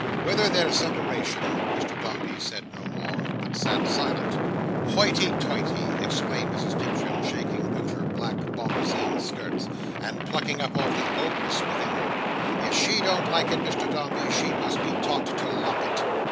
Whether their separation—" Mr Dombey said no more, but sat silent. "Hoity toity!" exclaimed Mrs Pipchin, shaking out her black bombazeen skirts, and plucking up all the ogress within her. "If she don't like it, Mr Dombey, she must be taught to lump it."